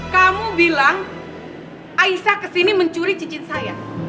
kamu bilang aisyah kesini mencuri cincin saya